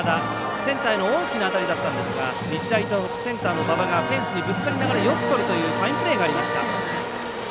センターへの大きな当たりだったんですが日大東北のセンターの馬場がフェンスにぶつかりながらよくとるというファインプレーがありました。